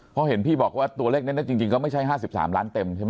เพราะเห็นพี่บอกว่าตัวเลขในเน็ตจริงจริงก็ไม่ใช่ห้าสิบสามล้านเต็มใช่ไหม